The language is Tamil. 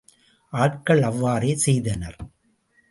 ஆட்கள் அவ்வாறே செய்தனர்.